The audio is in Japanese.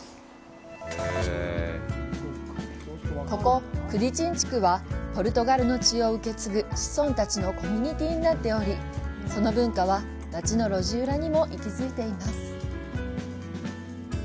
ここクディチン地区は、ポルトガルの血を受け継ぐ子孫たちのコミュニティになっており、その文化は、街の路地裏にも息づいています。